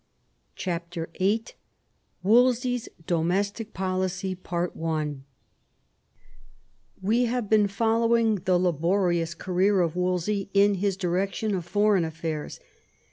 CHAPTER Vni wolsby's domestic policy We have been following the laborious career of Wolsey in his direction of foreign affairs.